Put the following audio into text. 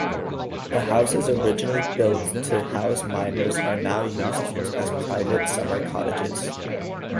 The houses originally built to house miners are now used as private summer cottages.